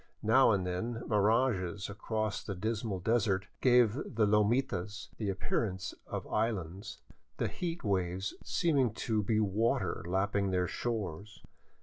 Now and then mirages across the dismal desert gave the lomitas the appearance of islands, the heat waves seeming to be water lapping their shores.